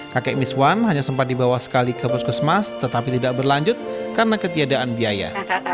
kakek miswan hanya sempat dibawa sekali ke puskesmas tetapi tidak berlanjut karena ketiadaan biaya